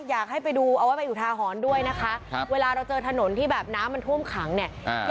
อยากให้ไปดูเอาไว้เป็นอุทาหรณ์ด้วยนะคะครับเวลาเราเจอถนนที่แบบน้ำมันท่วมขังเนี่ย